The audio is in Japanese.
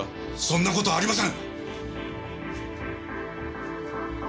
そんな事はありません！